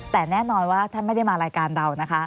แต่แน่นอนว่าท่านไม่ได้มารายการเรานะคะ